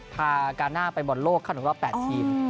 พาการหน้าไปบนโลกข้างตรงรอบ๘ทีม